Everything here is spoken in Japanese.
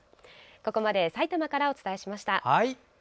ここまで埼玉からお伝えしました。